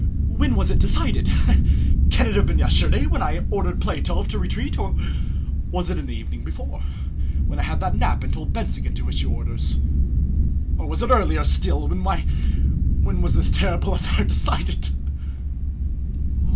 When was it decided? Can it have been yesterday when I ordered Plátov to retreat, or was it the evening before, when I had a nap and told Bennigsen to issue orders? Or was it earlier still?... When, when was this terrible affair decided?